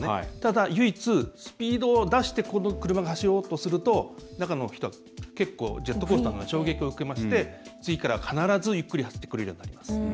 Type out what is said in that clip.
唯一、スピードを出して車が走ろうとするとジェットコースターのような衝撃を受けまして次からは必ずゆっくり走ってくれるようになります。